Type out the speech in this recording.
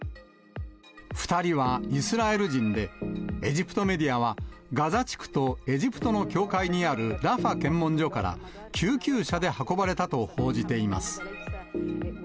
２人はイスラエル人でエジプトメディアはガザ地区とエジプトの境界にあるラファ検問所から救急車で運ばれたと報じています。